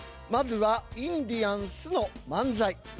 まずはインディアンスの漫才。